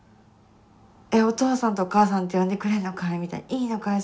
「えっお父さんとお母さんって呼んでくれるのかい」みたいな「いいのかい？